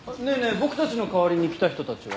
僕たちの代わりに来た人たちは？